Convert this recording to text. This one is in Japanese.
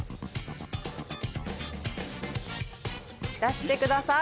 出してください！